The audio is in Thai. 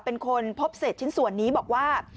เป็นคนพบเศษชิ้นส่วนนี้บอกว่า